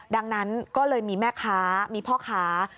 ดังนั้นก็เลยมีแม่ค้ามีพ่อค้า